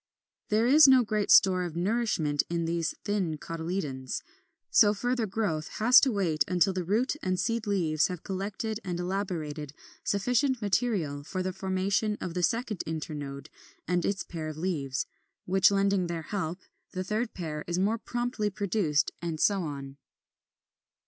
There is no great store of nourishment in these thin cotyledons; so further growth has to wait until the root and seed leaves have collected and elaborated sufficient material for the formation of the second internode and its pair of leaves, which lending their help the third pair is more promptly produced, and so on.